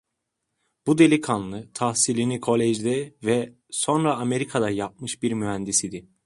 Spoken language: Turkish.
Bu delikanlı, tahsilini kolejde ve sonra Amerika'da yapmış bir mühendis idi.